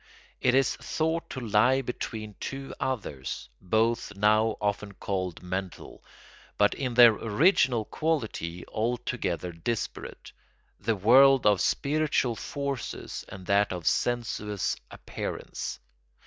It is thought to lie between two others, both now often called mental, but in their original quality altogether disparate: the world of spiritual forces and that of sensuous appearance.